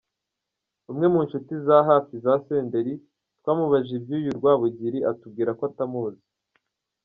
Umwe mu nshuti za hafi za Senderi twamubajije iby’uyu Rwabugiri atubwira ko atamuzi.